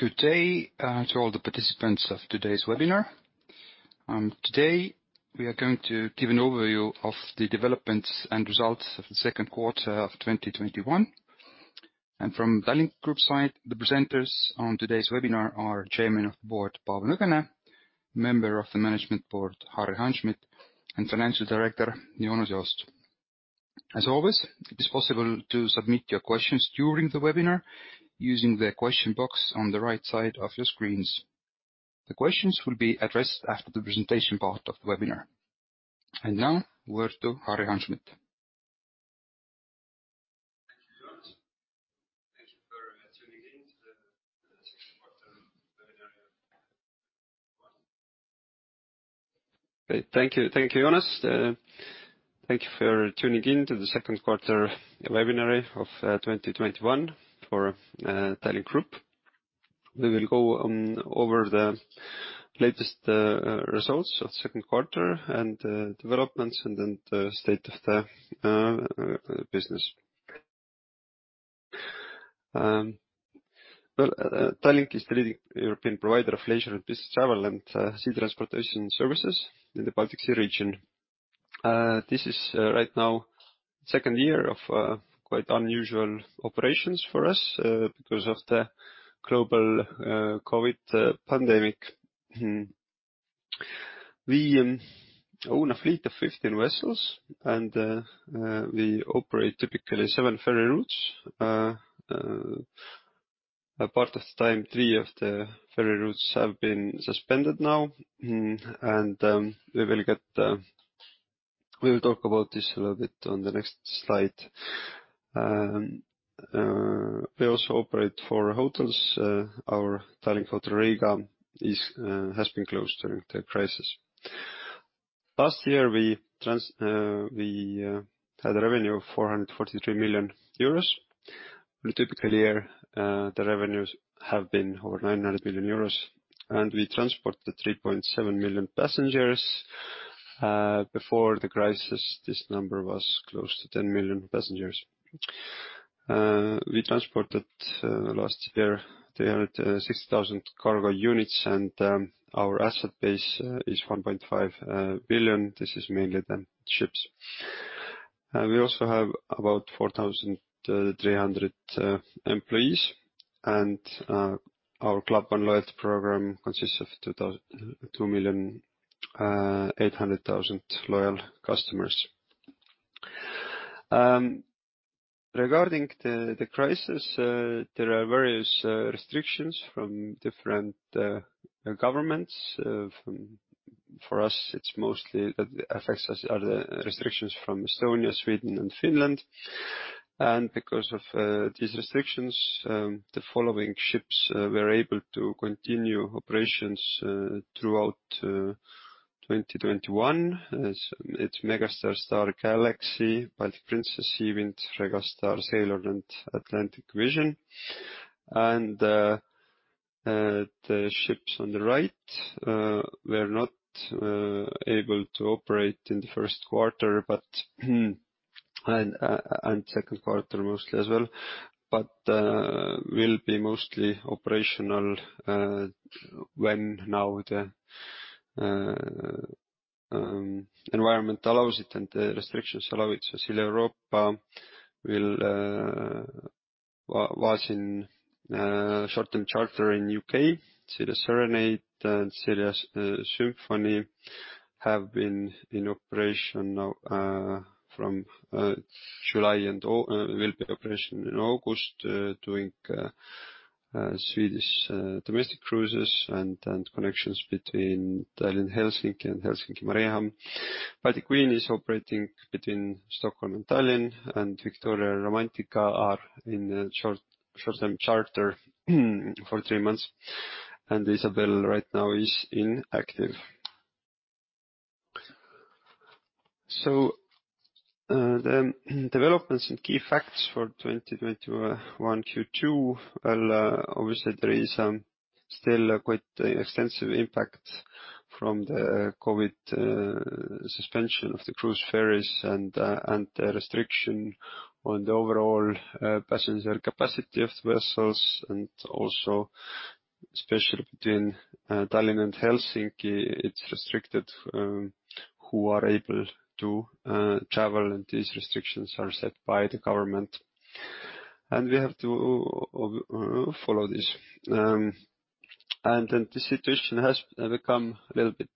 Good day to all the participants of today's webinar. Today, we are going to give an overview of the developments and results of the second quarter of 2021. From Tallink Grupp side, the presenters on today's webinar are Chairman of the Board, Paavo Nõgene, Member of the Management Board, Harri Hanschmidt, and Financial Director, Joonas Joost. As always, it is possible to submit your questions during the webinar using the question box on the right side of your screens. The questions will be addressed after the presentation part of the webinar. Now, over to Harri Hanschmidt. Thank you, Joonas. Thank you for tuning in to the second quarter webinar of Tallink Grupp. Great. Thank you, Joonas. Thank you for tuning in to the second quarter webinar of 2021 for Tallink Grupp. We will go over the latest results of the second quarter and developments and then the state of the business. Well, Tallink is the leading European provider of leisure and business travel and sea transportation services in the Baltic Sea region. This is right now the second year of quite unusual operations for us because of the global COVID pandemic. We own a fleet of 15 vessels, and we operate typically seven ferry routes. A part of the time, three of the ferry routes have been suspended now, and we will talk about this a little bit on the next slide. We also operate four hotels. Our Tallink Hotel Riga has been closed during the crisis. Last year, we had a revenue of 443 million euros. In a typical year, the revenues have been over 900 million euros, and we transported 3.7 million passengers. Before the crisis, this number was close to 10 million passengers. We transported last year 306,000 cargo units, and our asset base is 1.5 billion. This is mainly the ships. We also have about 4,300 employees, and our Club One loyalty program consists of 2,800,000 loyal customers. Regarding the crisis, there are various restrictions from different governments. For us, it mostly affects us are the restrictions from Estonia, Sweden and Finland. Because of these restrictions, the following ships were able to continue operations throughout 2021. It's Megastar, Star, Galaxy, Baltic Princess, Sea Wind, Regal Star, Sailor and Atlantic Vision. The ships on the right were not able to operate in the first quarter, and second quarter mostly as well, but will be mostly operational when now the environment allows it and the restrictions allow it. Silja Europa was in short-term charter in U.K. Silja Serenade and Silja Symphony have been in operation now from July and will be in operation in August, doing Swedish domestic cruises and connections between Tallinn-Helsinki and Helsinki-Mariehamn. Baltic Queen is operating between Stockholm and Tallinn, and Victoria and Romantika are in short-term charter for three months. Isabelle right now is inactive. The developments and key facts for 2021 Q2. Well, obviously there is still quite extensive impact from the COVID suspension of the cruise ferries and the restriction on the overall passenger capacity of the vessels, and also especially between Tallinn and Helsinki, it's restricted who are able to travel, and these restrictions are set by the government. We have to follow this. The situation has become a little bit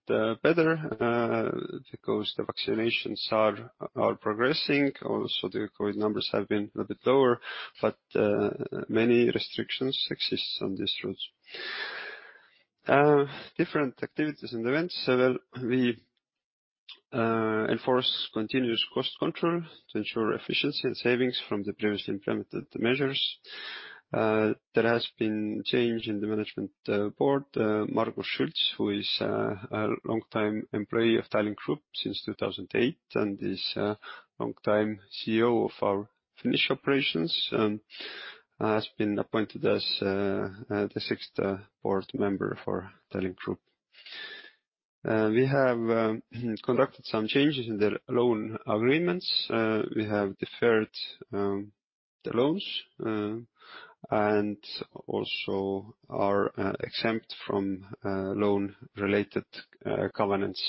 better because the vaccinations are progressing. Also, the COVID numbers have been a little bit lower, but many restrictions exist on these routes. Different activities and events. Well, we enforce continuous cost control to ensure efficiency and savings from the previously implemented measures. There has been change in the management board. Margus Schults, who is a long time employee of Tallink Grupp since 2008 and is long time CEO of our Finnish operations, has been appointed as the sixth board member for Tallink Grupp. We have conducted some changes in the loan agreements. We have deferred the loans and also are exempt from loan related covenants.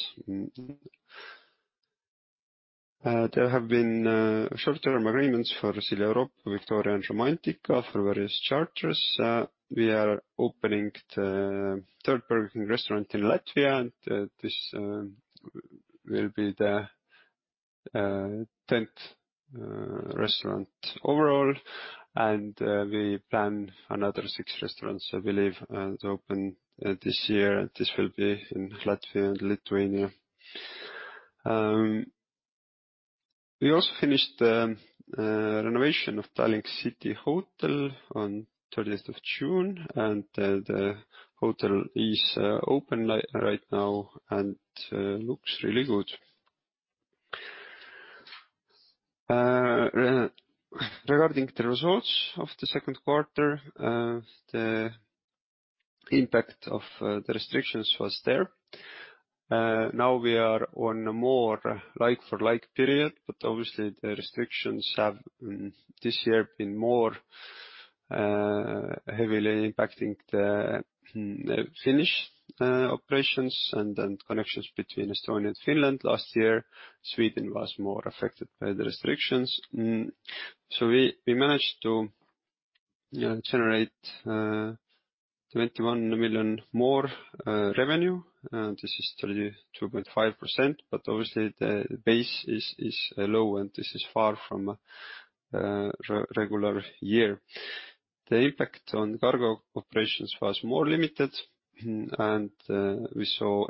There have been short-term agreements for Silja Europa, Victoria and Romantika for various charters. We are opening the third Burger King restaurant in Latvia, and this will be the 10th restaurant overall. We plan another six restaurants, I believe, to open this year. This will be in Latvia and Lithuania. We also finished the renovation of Tallink City Hotel on 30th of June, and the hotel is open right now and looks really good. Regarding the results of the second quarter, the impact of the restrictions was there. We are on a more like for like period, but obviously the restrictions have this year been more heavily impacting the Finnish operations and then connections between Estonia and Finland. Last year, Sweden was more affected by the restrictions. We managed to generate EUR 21 million more revenue. This is 32.5%, but obviously the base is low, and this is far from a regular year. The impact on cargo operations was more limited, and we saw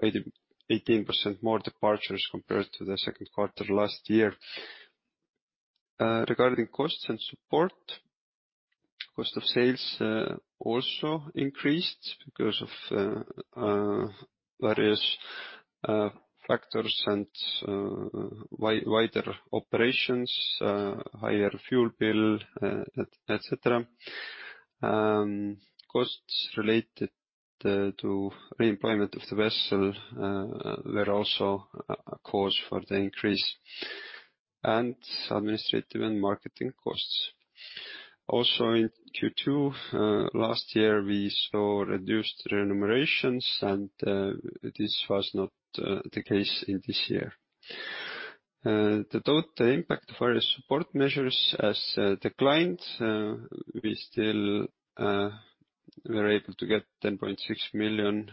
18% more departures compared to the second quarter last year. Regarding costs and support, cost of sales also increased because of various factors and wider operations, higher fuel bill, et cetera. Costs related to re-employment of the vessel were also a cause for the increase and administrative and marketing costs. Also in Q2 last year, we saw reduced remunerations, and this was not the case in this year. The total impact of our support measures has declined. We still were able to get 10.6 million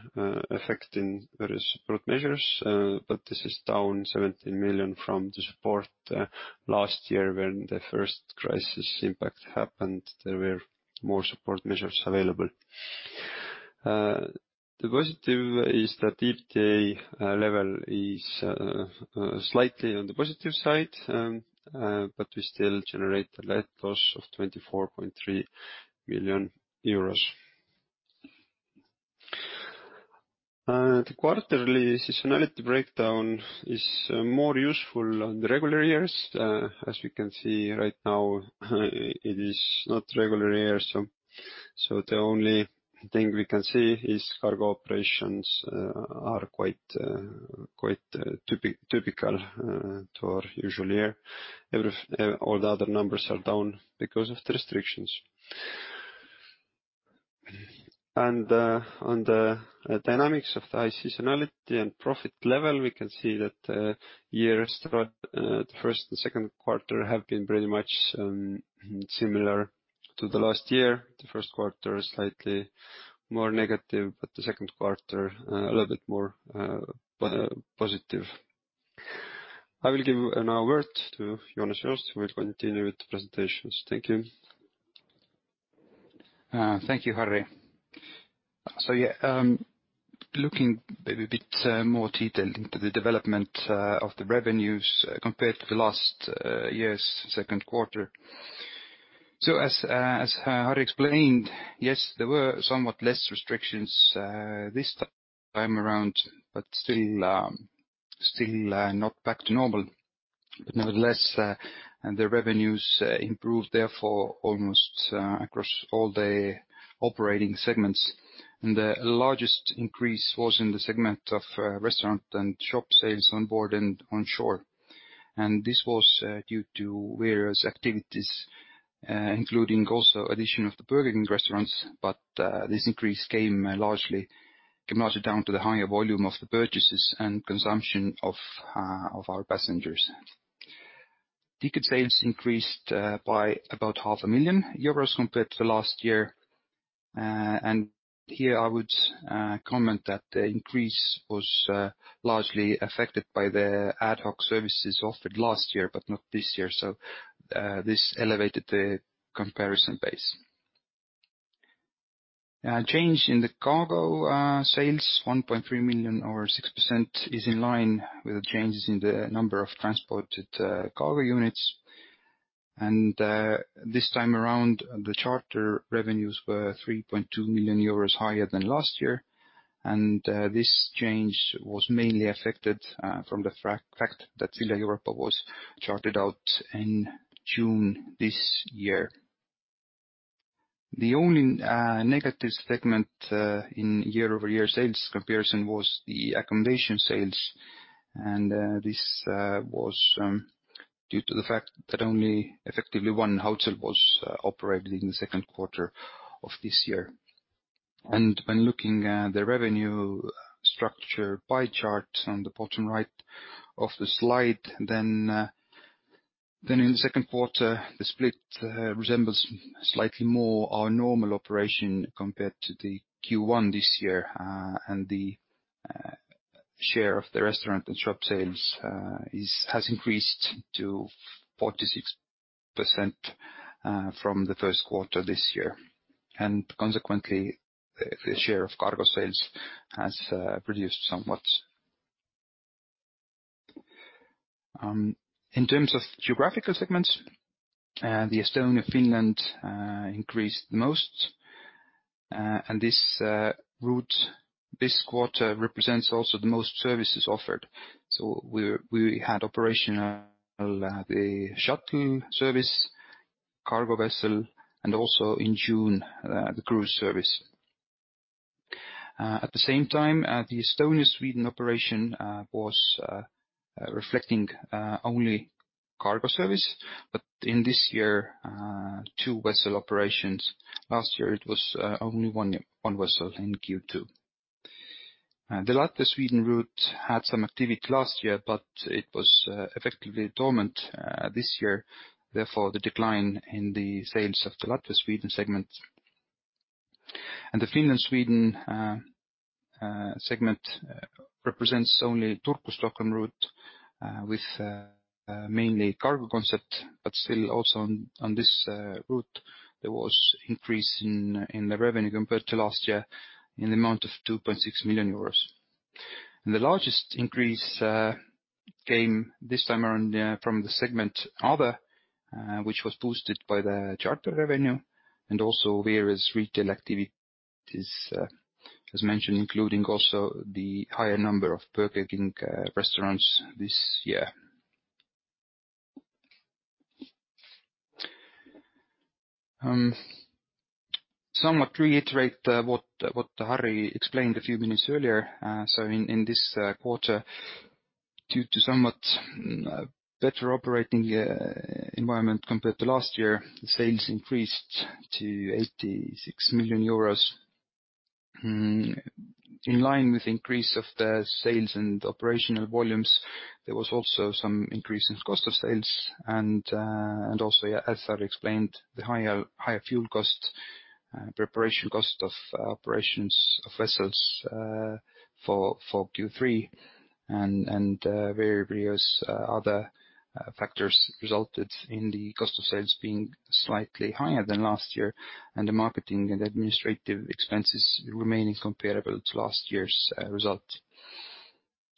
effect in various support measures, but this is down 17 million from the support last year when the 1st crisis impact happened, there were more support measures available. The positive is that EBITDA level is slightly on the positive side, but we still generate a net loss of 24.3 million euros. The quarterly seasonality breakdown is more useful on the regular years. As you can see right now, it is not a regular year, so the only thing we can see is cargo operations are quite typical to our usual year. All the other numbers are down because of the restrictions. On the dynamics of the high seasonality and profit level, we can see that year to date, the first and second quarter have been pretty much similar to the last year. The first quarter is slightly more negative, but the second quarter a little bit more positive. I will give now word to Joonas Joost, who will continue with the presentations. Thank you. Thank you, Harri. Yeah, looking maybe a bit more detailed into the development of the revenues compared to the last year's second quarter. As Harri explained, yes, there were somewhat less restrictions this time around, but still not back to normal. Nonetheless, the revenues improved therefore almost across all the operating segments. The largest increase was in the segment of restaurant and shop sales on board and on shore. This was due to various activities, including also addition of the Burger King restaurants, but this increase came largely down to the higher volume of the purchases and consumption of our passengers. Ticket sales increased by about 500,000 euros compared to last year. Here I would comment that the increase was largely affected by the ad hoc services offered last year, but not this year. This elevated the comparison base. Change in the cargo sales, 1.3 million or 6%, is in line with the changes in the number of transported cargo units. This time around, the charter revenues were 3.2 million euros higher than last year. This change was mainly affected from the fact that Silja Europa was chartered out in June this year. The only negative segment in year-over-year sales comparison was the accommodation sales. This was due to the fact that only effectively one hotel was operated in the second quarter of this year. When looking at the revenue structure pie chart on the bottom right of the slide, then in the second quarter, the split resembles slightly more our normal operation compared to the Q1 this year, and the share of the restaurant and shop sales has increased to 46% from the first quarter this year. Consequently, the share of cargo sales has reduced somewhat. In terms of geographical segments, the Estonia-Finland increased the most, and this route this quarter represents also the most services offered. We had operational the shuttle service, cargo vessel, and also in June, the cruise service. At the same time, the Estonia-Sweden operation was reflecting only cargo service, but in this year, two vessel operations. Last year, it was only one vessel in Q2. The Latvia-Sweden route had some activity last year, but it was effectively dormant this year, therefore the decline in the sales of the Latvia-Sweden segment. The Finland-Sweden segment represents only Turku-Stockholm route with mainly cargo concept, but still also on this route, there was increase in the revenue compared to last year in the amount of 2.6 million euros. The largest increase came this time around from the segment Other, which was boosted by the charter revenue and also various retail activities, as mentioned, including also the higher number of Burger King restaurants this year. Somewhat reiterate what Harri explained a few minutes earlier. In this quarter, due to somewhat better operating environment compared to last year, the sales increased to 86 million euros. In line with increase of the sales and operational volumes, there was also some increase in cost of sales and also as Harri explained, the higher fuel cost, preparation cost of operations of vessels for Q3 and various other factors resulted in the cost of sales being slightly higher than last year and the marketing and administrative expenses remaining comparable to last year's result.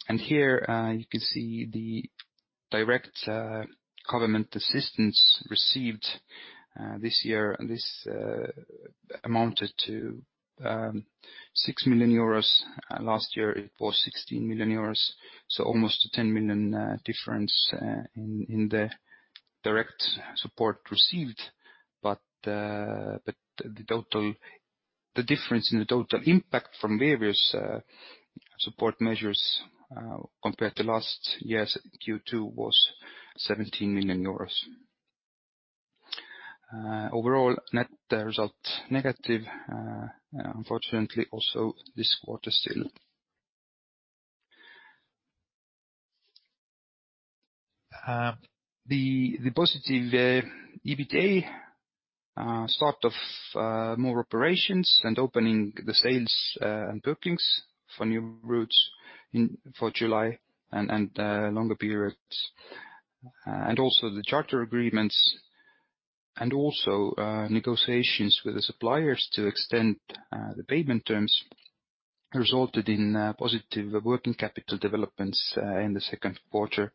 Here you can see the direct government assistance received this year, and this amounted to 6 million euros. Last year it was 16 million euros, so almost a 10 million difference in the direct support received. The difference in the total impact from various support measures compared to last year's Q2 was 17 million euros. Overall, net result negative, unfortunately, also this quarter still. The positive EBITDA start of more operations and opening the sales and bookings for new routes for July and longer periods and also the charter agreements and also negotiations with the suppliers to extend the payment terms resulted in positive working capital developments in the second quarter.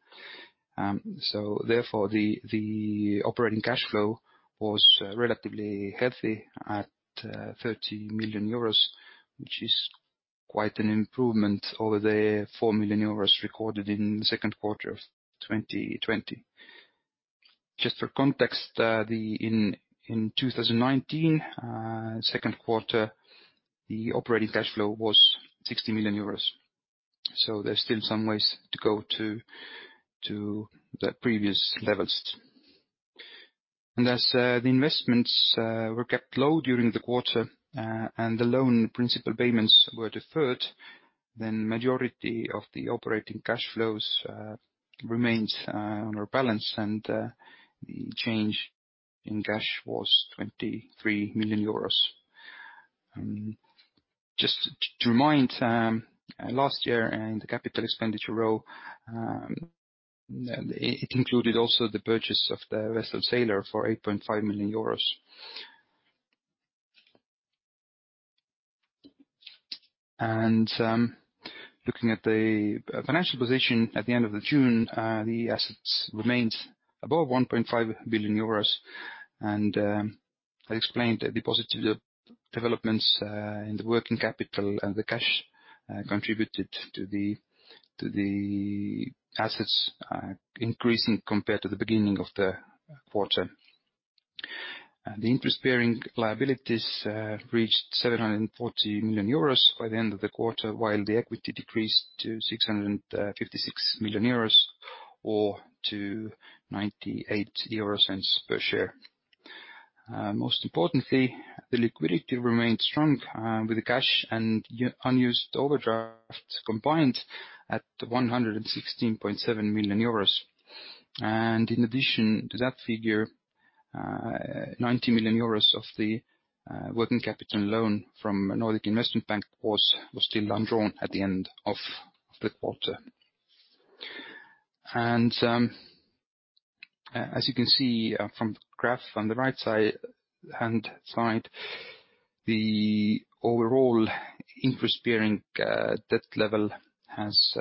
Therefore the operating cash flow was relatively healthy at 30 million euros, which is quite an improvement over the 4 million euros recorded in the second quarter of 2020. Just for context, in 2019, second quarter, the operating cash flow was 60 million euros. There's still some ways to go to the previous levels. As the investments were kept low during the quarter and the loan principal payments were deferred, majority of the operating cash flows remained on our balance and the change in cash was 23 million euros. Just to remind, last year and the CapEx row, it included also the purchase of the vessel, Sailor, for 8.5 million euros. Looking at the financial position at the end of the June, the assets remains above 1.5 billion euros and I explained the positive developments in the working capital and the cash contributed to the assets increasing compared to the beginning of the quarter. The interest-bearing liabilities reached 740 million euros by the end of the quarter, while the equity decreased to 656 million euros or to 0.98 per share. Most importantly, the liquidity remained strong with the cash and unused overdraft combined at 116.7 million euros. In addition to that figure, 90 million euros of the working capital loan from Nordic Investment Bank was still undrawn at the end of the quarter. As you can see from the graph on the right-hand side, the overall interest-bearing debt level has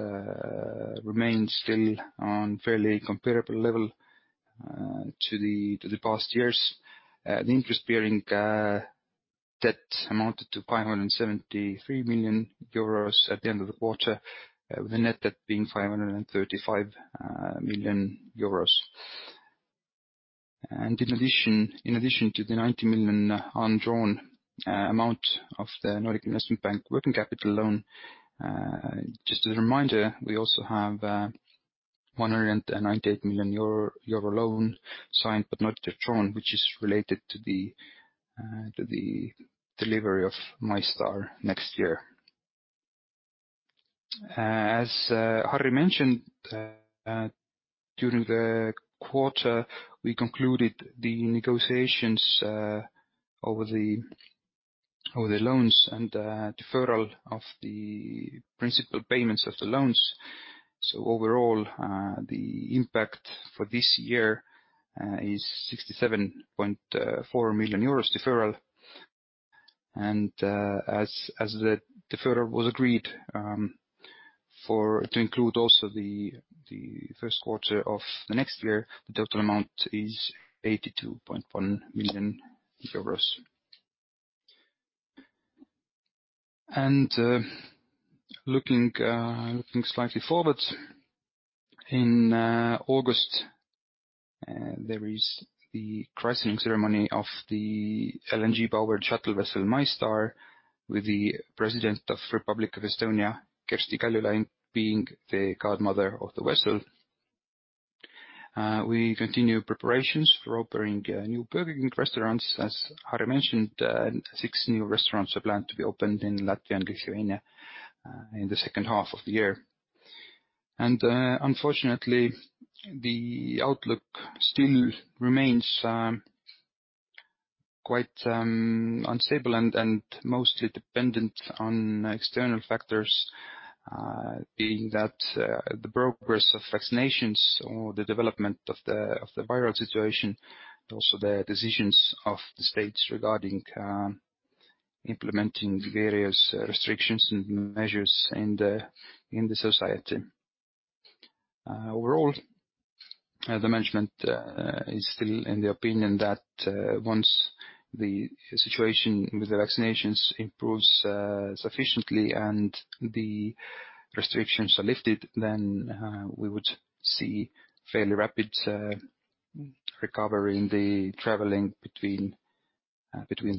remained still on fairly comparable level to the past years. The interest-bearing debt amounted to 573 million euros at the end of the quarter, with the net debt being 535 million euros. In addition to the 90 million undrawn amount of the Nordic Investment Bank working capital loan, just as a reminder, we also have a 198 million euro loan signed but not withdrawn, which is related to the delivery of MyStar next year. As Harri mentioned, during the quarter, we concluded the negotiations over the loans and deferral of the principal payments of the loans. Overall, the impact for this year is 67.4 million euros deferral. As the deferral was agreed to include also the first quarter of the next year, the total amount is 82.1 million euros. Looking slightly forward, in August, there is the christening ceremony of the LNG-powered shuttle vessel, MyStar, with the President of Republic of Estonia, Kersti Kaljulaid, being the godmother of the vessel. We continue preparations for opening new Burger King restaurants. As Harri mentioned, six new restaurants are planned to be opened in Latvia and Lithuania in the second half of the year. Unfortunately, the outlook still remains quite unstable and mostly dependent on external factors, being that the progress of vaccinations or the development of the viral situation, also the decisions of the states regarding implementing various restrictions and measures in the society. Overall, the management is still in the opinion that once the situation with the vaccinations improves sufficiently and the restrictions are lifted, then we would see fairly rapid recovery in the traveling between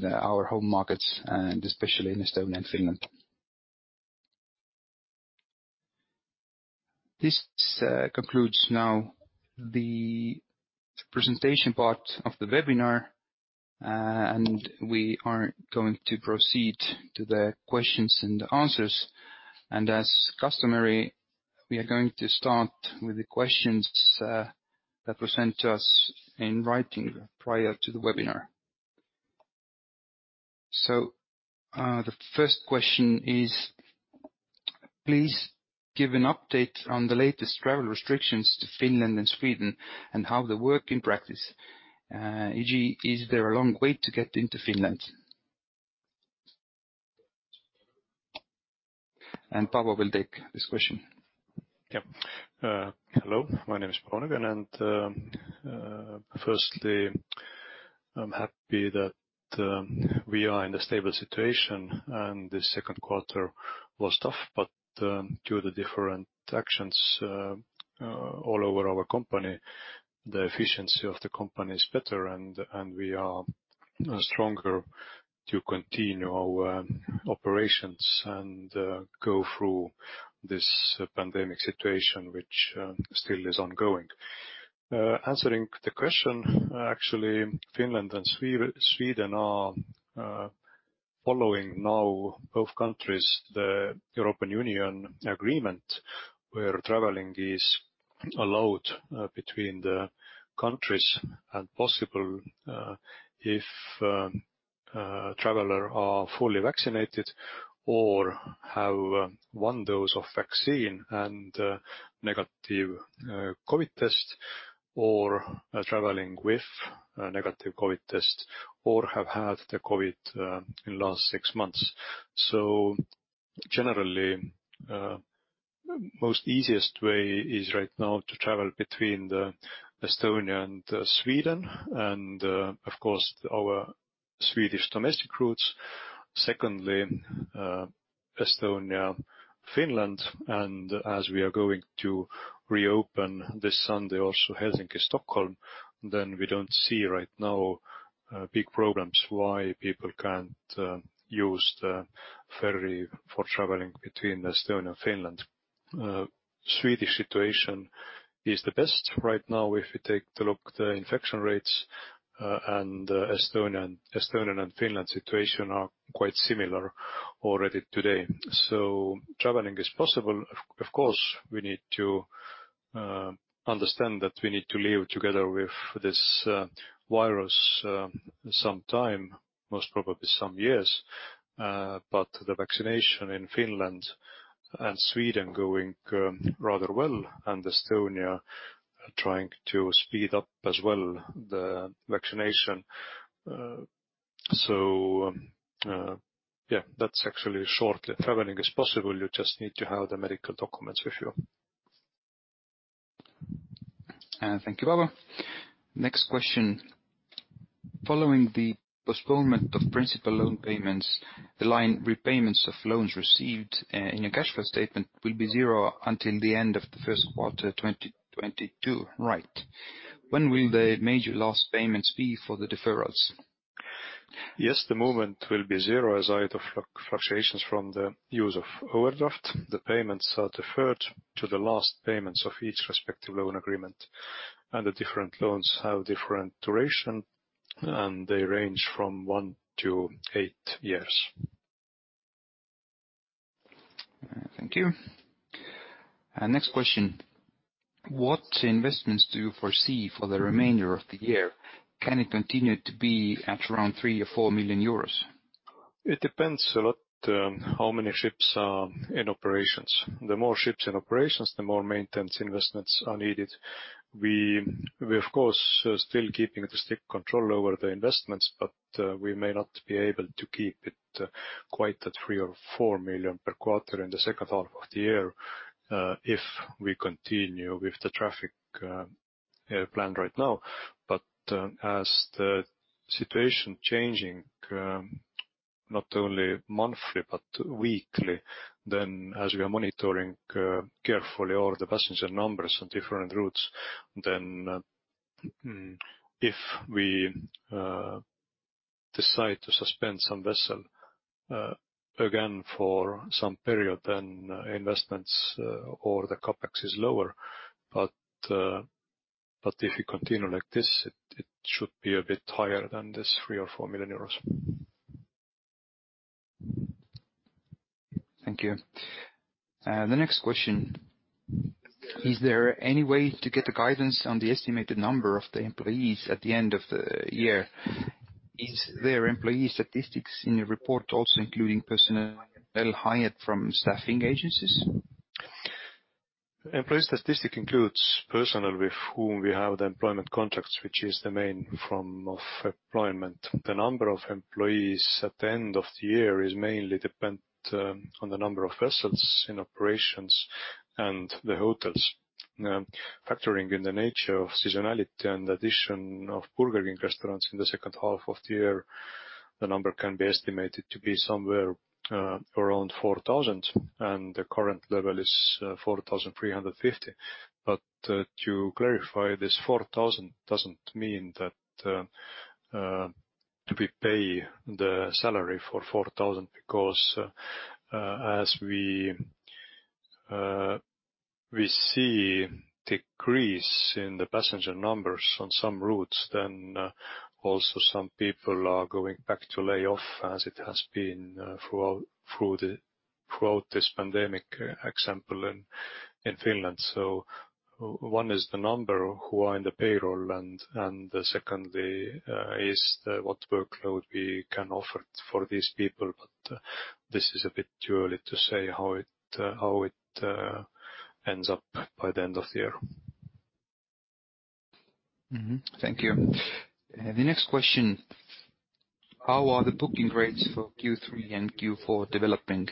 our home markets and especially in Estonia and Finland. This concludes now the presentation part of the webinar. We are going to proceed to the questions and answers. As customary, we are going to start with the questions that were sent to us in writing prior to the webinar. The first question is, "Please give an update on the latest travel restrictions to Finland and Sweden and how they work in practice. E.g., is there a long wait to get into Finland?" Paavo will take this question. Hello, my name is Paavo Nõgene. Firstly, I'm happy that we are in a stable situation, and the second quarter was tough, but due to different actions all over our company, the efficiency of the company is better, and we are stronger to continue our operations and go through this pandemic situation, which still is ongoing. Answering the question, actually, Finland and Sweden are following now, both countries, the European Union agreement, where traveling is allowed between the countries and possible if traveler are fully vaccinated or have one dose of vaccine and a negative COVID test, or traveling with a negative COVID test, or have had the COVID in the last six months. Most easiest way is right now to travel between Estonia and Sweden, and of course, our Swedish domestic routes. Estonia, Finland, and as we are going to reopen this Sunday also Helsinki-Stockholm, then we don't see right now big problems why people can't use the ferry for traveling between Estonia and Finland. Swedish situation is the best right now if you take to look the infection rates, Estonian and Finland situation are quite similar already today. Traveling is possible. Of course, we need to understand that we need to live together with this virus sometime, most probably some years. The vaccination in Finland and Sweden going rather well, Estonia trying to speed up as well the vaccination. That's actually short. Traveling is possible, you just need to have the medical documents with you. Thank you, Paavo Nõgene. Next question. Following the postponement of principal loan payments, the line repayments of loans received in your cash flow statement will be zero until the end of the first quarter 2022, right? When will the major last payments be for the deferrals? Yes, the movement will be zero as either fluctuations from the use of overdraft. The payments are deferred to the last payments of each respective loan agreement. The different loans have different duration, and they range from one to eight years. Thank you. Next question. What investments do you foresee for the remainder of the year? Can it continue to be at around 3 or 4 million euros? It depends a lot how many ships are in operations. The more ships in operations, the more maintenance investments are needed. We, of course, still keeping the strict control over the investments, but we may not be able to keep it quite at 3 or 4 million per quarter in the second half of the year if we continue with the traffic plan right now. As the situation changing, not only monthly but weekly, then as we are monitoring carefully all the passenger numbers on different routes, then if we decide to suspend some vessel again for some period, then investments or the CapEx is lower. If we continue like this, it should be a bit higher than this 3 or 4 million euros. Thank you. The next question. Is there any way to get the guidance on the estimated number of the employees at the end of the year? Is there employee statistics in your report also including personnel hired from staffing agencies? Employee statistics includes personnel with whom we have the employment contracts, which is the main form of employment. The number of employees at the end of the year is mainly depends on the number of vessels in operations and the hotels. Factoring in the nature of seasonality and addition of Burger King restaurants in the second half of the year, the number can be estimated to be somewhere around 4,000, and the current level is 4,350. To clarify, this 4,000 doesn't mean that we pay the salary for 4,000 because as we see decrease in the passenger numbers on some routes, then also some people are going back to lay off as it has been throughout this pandemic, example in Finland. One is the number who are in the payroll, and the secondly is what workload we can offer for these people. This is a bit too early to say how it ends up by the end of the year. Thank you. The next question. How are the booking rates for Q3 and Q4 developing?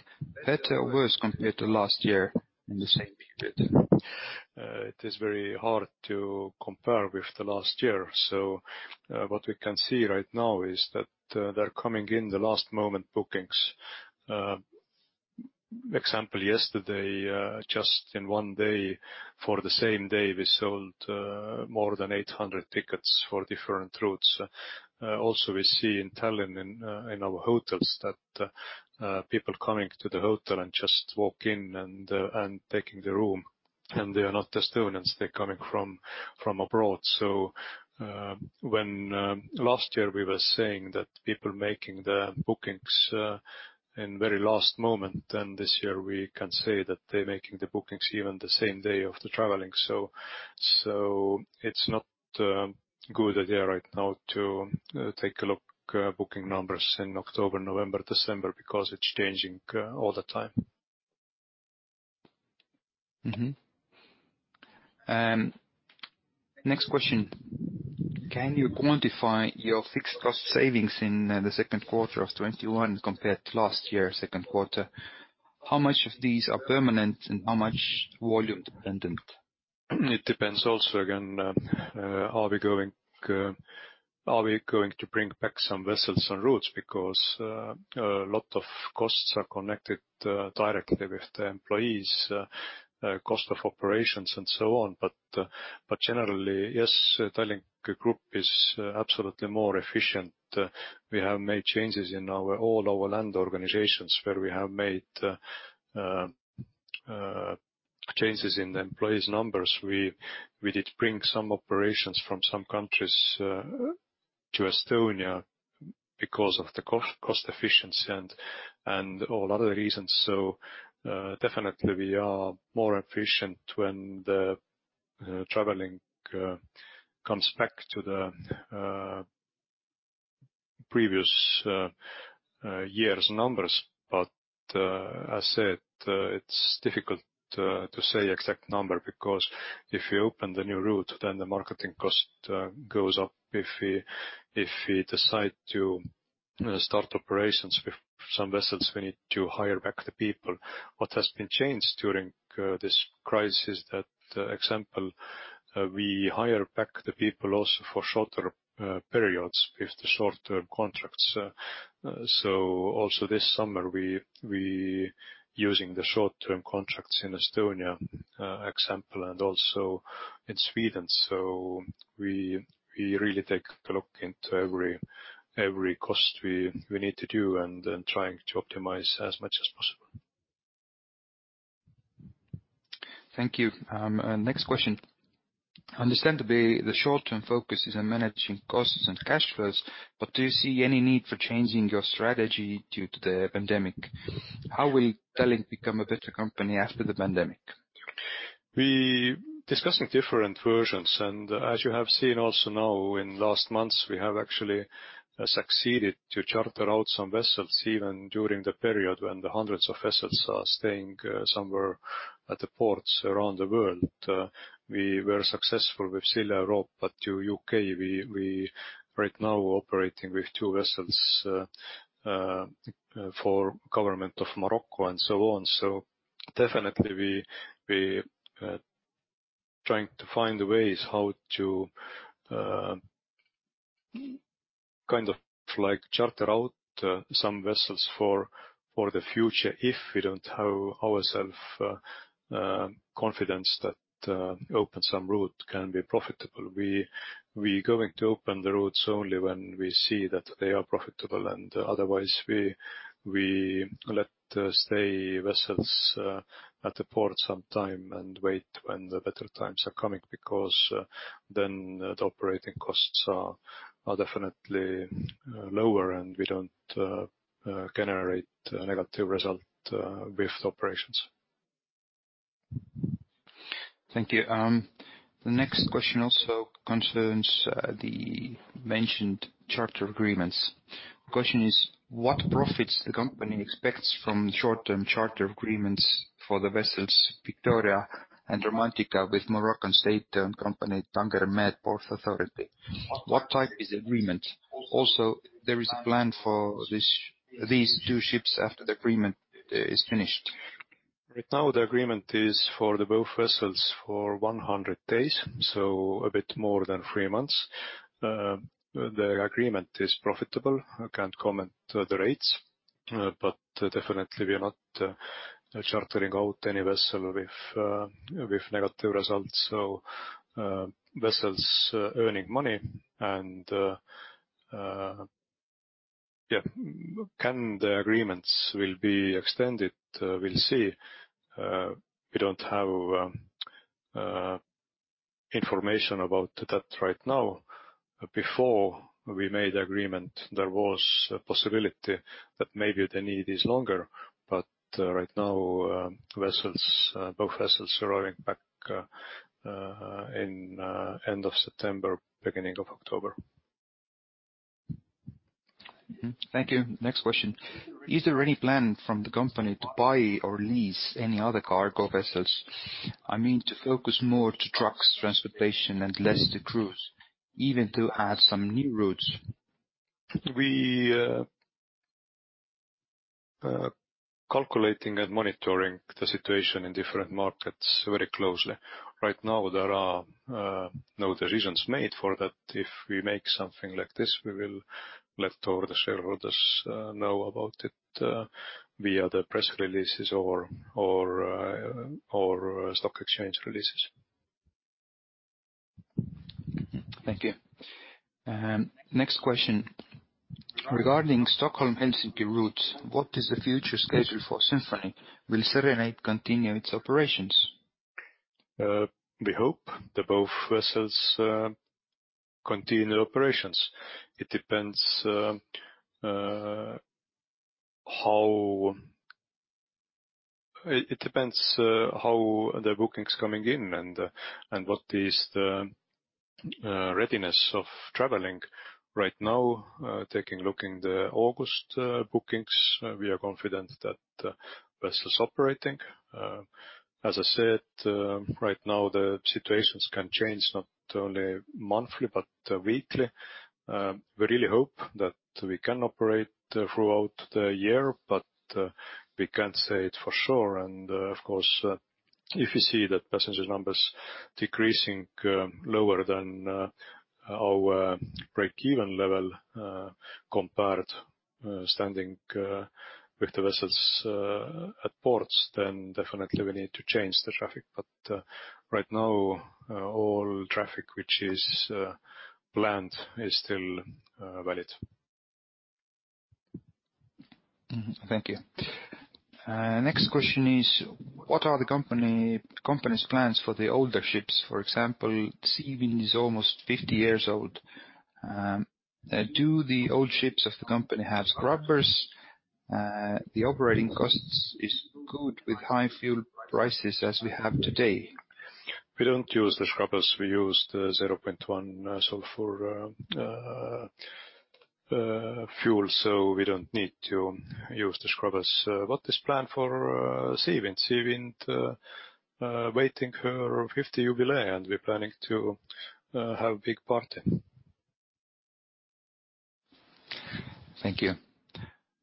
Better or worse compared to last year in the same period? It is very hard to compare with the last year. What we can see right now is that they're coming in the last moment bookings. Example yesterday, just in one day, for the same day, we sold more than 800 tickets for different routes. Also we see in Tallinn in our hotels that people coming to the hotel and just walk in and taking the room, and they are not Estonians, they're coming from abroad. When last year we were saying that people making the bookings in very last moment, then this year we can say that they're making the bookings even the same day of the traveling. It's not good idea right now to take a look booking numbers in October, November, December because it's changing all the time. Next question. Can you quantify your fixed cost savings in the second quarter of 2021 compared to last year second quarter? How much of these are permanent and how much volume dependent? It depends also, again, are we going to bring back some vessels on routes because a lot of costs are connected directly with the employees, cost of operations and so on. Generally, yes, Tallink Grupp is absolutely more efficient. We have made changes in all our land organizations where we have made changes in the employees numbers. We did bring some operations from some countries to Estonia because of the cost efficiency and all other reasons. Definitely we are more efficient when the traveling comes back to the previous year's numbers. As said, it's difficult to say exact number because if you open the new route, then the marketing cost goes up. If we decide to start operations with some vessels, we need to hire back the people. What has been changed during this crisis is that, example, we hire back the people also for shorter periods with the short-term contracts. Also this summer, we using the short-term contracts in Estonia, example, and also in Sweden. We really take a look into every cost we need to do and then trying to optimize as much as possible. Thank you. Next question. Understandably, the short-term focus is on managing costs and cash flows, but do you see any need for changing your strategy due to the pandemic? How will Tallink become a better company after the pandemic? We discussing different versions. As you have seen also now in last months, we have actually succeeded to charter out some vessels even during the period when the hundreds of vessels are staying somewhere at the ports around the world. We were successful with Silja Europa to U.K. we right now operating with two vessels for government of Morocco and so on. Definitely, we trying to find ways how to charter out some vessels for the future if we don't have ourselves confidence that open some route can be profitable. We going to open the routes only when we see that they are profitable. Otherwise, we let stay vessels at the port some time and wait when the better times are coming because then the operating costs are definitely lower and we don't generate a negative result with operations. Thank you. The next question also concerns the mentioned charter agreements. Question is, what profits the company expects from short-term charter agreements for the vessels Victoria and Romantika with Moroccan state-owned company Tanger Med Port Authority? What type is agreement? There is a plan for these two ships after the agreement is finished. Right now, the agreement is for the both vessels for 100 days, so a bit more than three months. The agreement is profitable. I can't comment the rates, definitely we are not chartering out any vessel with negative results. Vessels earning money and, yeah. Can the agreements will be extended? We'll see. We don't have information about that right now. Before we made agreement, there was a possibility that maybe they need this longer. Right now, both vessels are arriving back in end of September, beginning of October. Thank you. Next question. Is there any plan from the company to buy or lease any other cargo vessels? I mean, to focus more to trucks transportation and less to cruise, even to add some new routes. We calculating and monitoring the situation in different markets very closely. Right now, there are no decisions made for that. If we make something like this, we will let all the shareholders know about it via the press releases or stock exchange releases. Thank you. Next question. Regarding Stockholm-Helsinki route, what is the future schedule for Symphony? Will Serenade continue its operations? We hope that both vessels continue operations. It depends how the bookings coming in and what is the readiness of traveling right now, taking, looking the August bookings, we are confident that vessel's operating. As I said, right now the situations can change not only monthly but weekly. We really hope that we can operate throughout the year, we can't say it for sure. Of course, if we see that passenger numbers decreasing lower than our break-even level, compared standing with the vessels at ports, then definitely we need to change the traffic. Right now, all traffic which is planned is still valid. Thank you. Next question is, what are the company's plans for the older ships? For example, Sea Wind is almost 50 years old. Do the old ships of the company have scrubbers? The operating costs is good with high fuel prices as we have today. We don't use the scrubbers. We use the 0.1 sulfur fuel, so we don't need to use the scrubbers. What is planned for Sea Wind? Sea Wind waiting her 50 jubilee, and we're planning to have a big party. Thank you.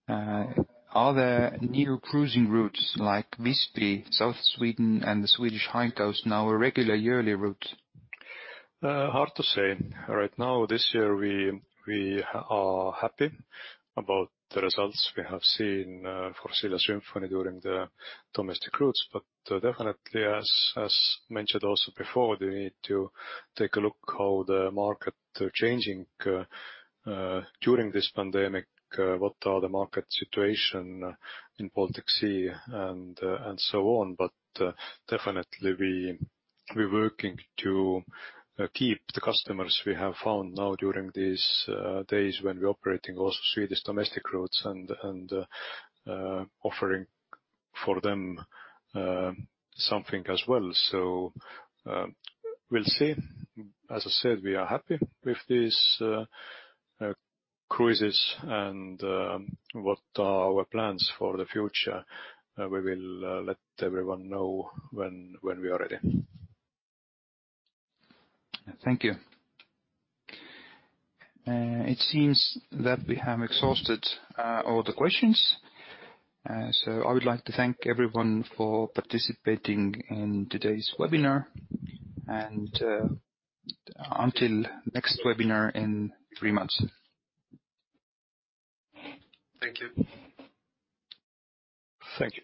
Are there new cruising routes like Visby, South Sweden, and the Swedish High Coast now a regular yearly route? Hard to say. Right now, this year, we are happy about the results we have seen for Silja Symphony during the domestic routes. Definitely, as mentioned also before, they need to take a look how the market changing during this pandemic, what are the market situation in Baltic Sea, and so on. Definitely, we're working to keep the customers we have found now during these days when we're operating also Swedish domestic routes and offering for them something as well. We'll see. As I said, we are happy with these cruises. What are our plans for the future, we will let everyone know when we are ready. Thank you. It seems that we have exhausted all the questions. I would like to thank everyone for participating in today's webinar. Until next webinar in three months. Thank you. Thank you.